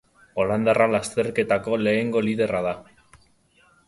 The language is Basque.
Holandarra lasterketako lehenengo liderra da.